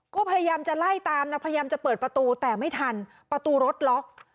ก็พยายามจะไล่ตามนะพยายามจะเปิดประตูแต่ไม่ทันประตูรถล็อก